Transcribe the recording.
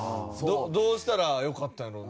どうしたらよかったんやろう？